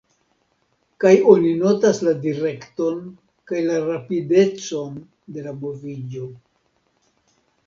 Kaj oni notas la direkton kaj la rapidecon de la moviĝo.